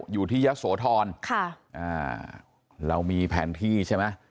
อยู่ที่ยะโสธรค่ะอ่าเรามีแผนที่ใช่ไหม